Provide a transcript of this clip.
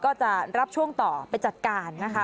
ก็จะรับช่วงต่อไปจัดการนะคะ